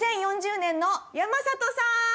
２０４０年の山里さーん！